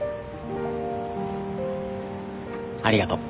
ありがとう。